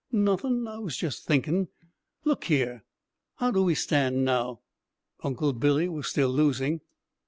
"Nothin', I was just thinkin'. Look here! How do we stand now?" Uncle Billy was still losing.